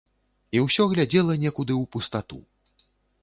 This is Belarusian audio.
І ўсё глядзела некуды ў пустату.